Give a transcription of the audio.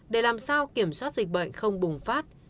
để làm sao kiểm soát dịch bệnh không bùng phát